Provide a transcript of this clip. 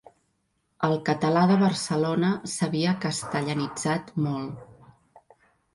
El català de Barcelona s'havia castellanitzat molt.